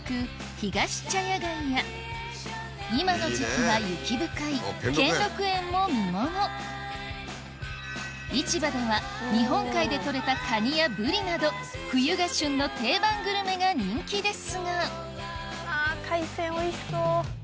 ひがし茶屋街や今の時季は雪深い兼六園も見もの市場では日本海で取れたカニやブリなど冬が旬の定番グルメが人気ですがあ海鮮おいしそう。